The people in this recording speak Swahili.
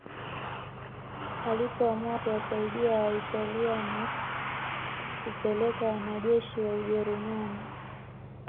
Alipoamua kuwasaidia Waitalia na kupeleka wanajeshi wa Ujerumani